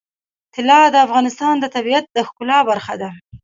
طلا د افغانستان د طبیعت د ښکلا برخه ده.